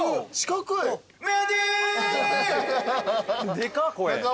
でかっ声。